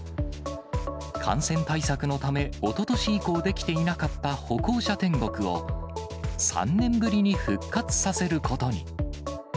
感染対策のため、おととし以降、できていなかった歩行者天国を、３年ぶりに復活させることに。